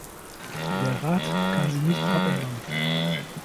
Der Rat kann sie nicht abändern.